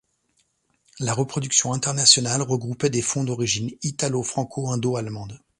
La production internationale regroupait des fonds d'origine italo-franco-indo-allemande.